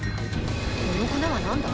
この粉は何だ？